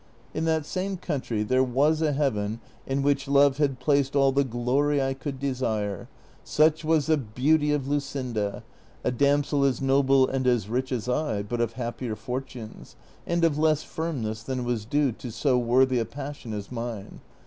In that same country there Avas a heaven in which love had placed all the glory I could desire ; such Avas the beauty of Luscinda. a damsel as noble and as rich as I, but of happier fortunes, and of less firmness than Avas due to so worthy a passion as mine.